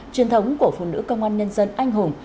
truyền thống của phụ nữ công an nhân dân anh hùng